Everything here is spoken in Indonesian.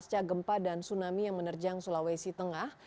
pasca gempa dan tsunami yang menerjang sulawesi tengah